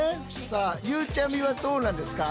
さあゆうちゃみはどうなんですか？